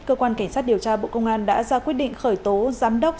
cơ quan cảnh sát điều tra bộ công an đã ra quyết định khởi tố giám đốc